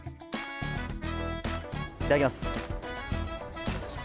いただきます。